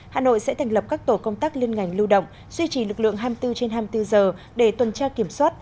hà nội sẽ thành lập các tổ công tác liên ngành lưu động duy trì lực lượng hai mươi bốn trên hai mươi bốn giờ để tuần tra kiểm soát